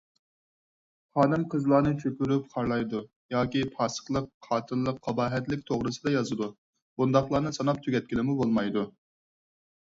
خانىم - قىزلارنى چۆكۈرۈپ خارلايدۇ ياكى پاسىقلىق، قاتىللىق، قاباھەتلىك توغرىسىدا يازىدۇ، بۇنداقلارنى ساناپ تۈگەتكىلىمۇ بولمايدۇ.